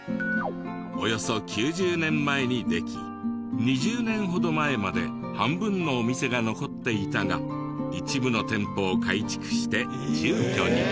およそ９０年前にでき２０年ほど前まで半分のお店が残っていたが一部の店舗を改築して住居に。